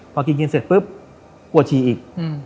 พอกินเย็นเสร็จปุ๊บกลัวฉี่อีก